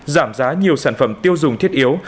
giảm giá nhiều sản phẩm tiêu dùng thiết yếu